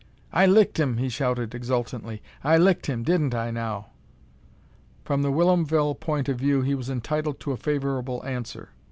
"I licked him!" he shouted, exultantly. "I licked him! Didn't I, now?" From the Whilomville point of view he was entitled to a favorable answer.